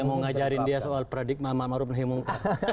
saya mau ngajarin dia soal pradigma ma'am marubna hi mungkar